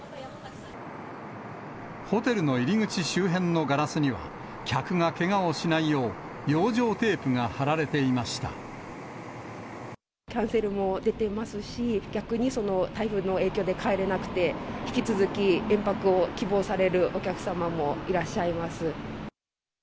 ホテルの入り口周辺のガラスには、客がけがをしないよう、養生テーキャンセルも出ていますし、逆にその台風の影響で帰れなくて、引き続き連泊を希望されるお客様もいらっしゃいます。